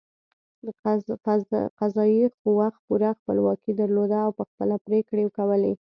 قضايي قوه پوره خپلواکي درلوده او په خپله پرېکړې کولې.